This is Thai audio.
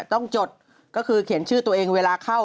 จดก็คือเขียนชื่อตัวเองเวลาเข้า